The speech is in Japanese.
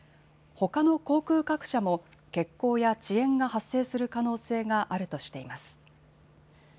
ほかの航空各社も欠航や遅延が発生する可能性があるとしています。